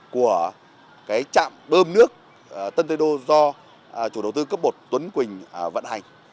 của trạm bơm nước tân tây đô do chủ đầu tư cấp bột tuấn quỳnh vận hành